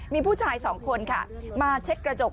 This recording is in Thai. มีผู้ชายสองคนค่ะมาเช็ดกระจก